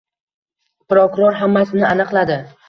Prokuror hammasini aniqladi